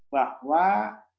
bahwa perlu dibentuk